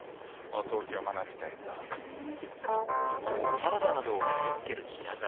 サラダなどを盛り付ける平皿。